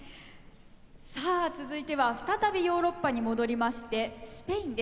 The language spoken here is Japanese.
さあ続いては再びヨーロッパに戻りましてスペインです。